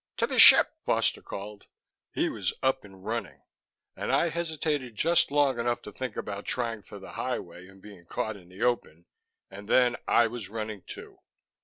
"To the ship!" Foster called. He was up and running, and I hesitated just long enough to think about trying for the highway and being caught in the open and then I was running, too.